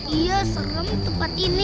iya serem tempat ini